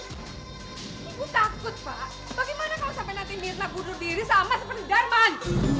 ibu takut pak bagaimana kalau sampai nanti mirna bunuh diri sama seperti darman